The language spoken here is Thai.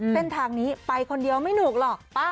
เส้นทางนี้ไปคนเดียวไม่หนุกหรอก